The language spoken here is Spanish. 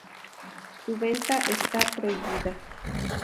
Su venta está prohibida